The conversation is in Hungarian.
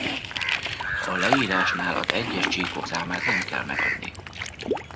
A leírásnál az egyes csíkok számát nem kell megadni.